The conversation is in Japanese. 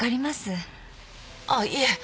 あっいいえ。